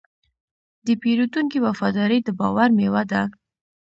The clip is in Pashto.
د پیرودونکي وفاداري د باور میوه ده.